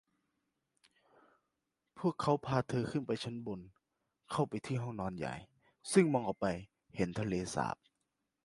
พวกเขาพาเธอขึ้นไปชั้นบนเข้าไปที่ห้องนอนใหญ่ซึ่งมองออกไปเห็นทะเลสาบ